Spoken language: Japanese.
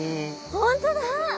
本当だ！